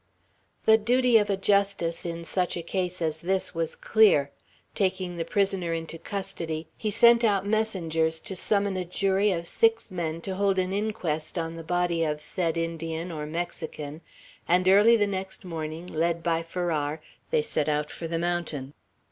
The duty of a justice in such a case as this was clear. Taking the prisoner into custody, he sent out messengers to summon a jury of six men to hold inquest on the body of said Indian, or Mexican; and early the next morning, led by Farrar, they set out for the mountain.